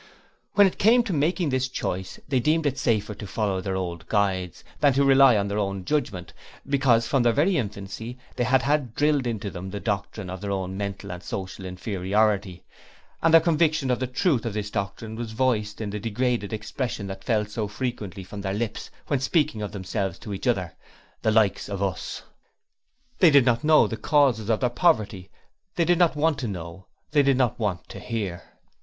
And when it came to making this choice they deemed it safer to follow their old guides, than to rely on their own judgement, because from their very infancy they had had drilled into them the doctrine of their own mental and social inferiority, and their conviction of the truth of this doctrine was voiced in the degraded expression that fell so frequently from their lips, when speaking of themselves and each other 'The Likes of Us!' They did not know the causes of their poverty, they did not want to know, they did not want to hear.